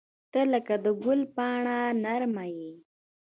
• ته لکه د ګل پاڼه نرمه یې.